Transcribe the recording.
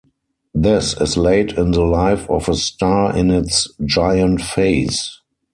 This is late in the life of a star in its giant phase.